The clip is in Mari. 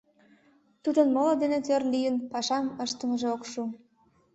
Тудын моло дене тӧр лийын пашам ыштымыже ок шу.